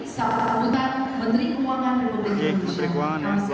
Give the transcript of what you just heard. salah kabutan menteri keuangan dan komunikasi indonesia